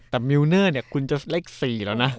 แต่มิวเนอร์เนี่ยคุณจะเลข๔แล้วนะ